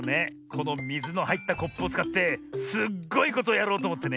このみずのはいったコップをつかってすっごいことをやろうとおもってねえ。